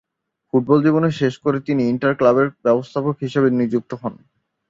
Football জীবন শেষ করে তিনি ইন্টার ক্লাবের ব্যবস্থাপক হিসেবে নিযুক্ত হন।